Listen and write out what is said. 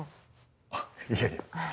あっいやいや。